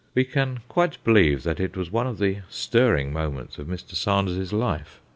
We can quite believe that it was one of the stirring moments of Mr. Sander's life.